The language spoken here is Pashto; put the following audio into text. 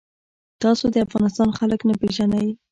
تاسو د افغانستان خلک نه پیژنئ.